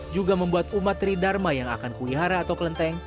juga membuat umat tridharma yang akan kuwihara atau kelenteng